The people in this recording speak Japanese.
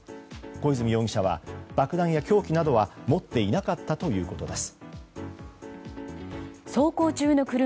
小泉容疑者は、爆弾や凶器などは持っていなかったということです。